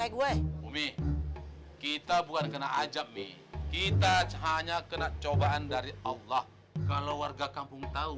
umi kita bukan kena ajab nih kita hanya kena cobaan dari allah kalau warga kampung tahu